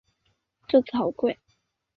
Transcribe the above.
这次好贵